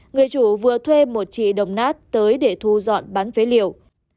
người chủ vừa thuê một trị đồng nát tới để thu dọn bán phế liệu